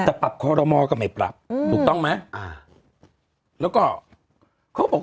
แต่ปรับคอรมอก็ไม่ปรับอืมถูกต้องไหมอ่าแล้วก็เขาก็บอก